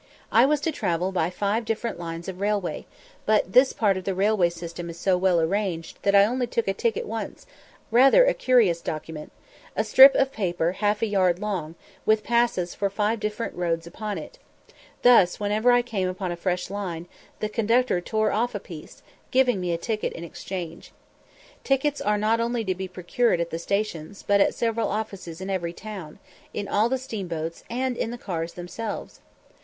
I was to travel by five different lines of railway, but this part of the railway system is so well arranged that I only took a ticket once, rather a curious document a strip of paper half a yard long, with passes for five different roads upon it; thus, whenever I came upon a fresh line, the conductor tore off a piece, giving me a ticket in exchange. Tickets are not only to be procured at the stations, but at several offices in every town, in all the steamboats, and in the cars themselves.